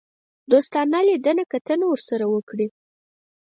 دوستانه لیدنه کتنه ورسره وکړي.